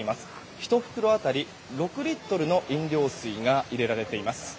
１袋当たり６リットルの飲料水が入れられています。